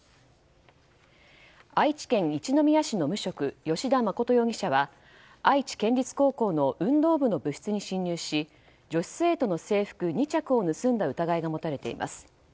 愛知県一宮市の無職吉田誠容疑者は愛知県立高校の運動部の部室に侵入し女子生徒の制服２着を盗んだ疑いが持たれています。